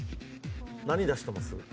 何出してます？